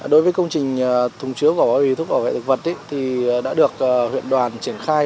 đối với công trình thùng chứa của bảo vệ thuốc bảo vệ thực vật thì đã được huyện đoàn triển khai